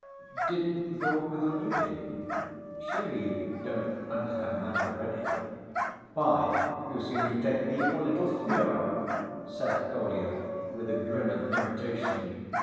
"Didn't go off with Onyegin? Surely you don't ... understand that already?" "Why, you seem to take me for little Smurov," said Kolya, with a grin of irritation.